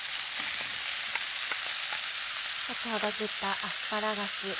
先ほど切ったアスパラガス。